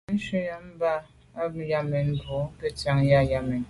Mɛ̂n nshûn ὰm bə α̂ Yâmɛn Bò kə ntsiaŋ i α̂ Yâmɛn.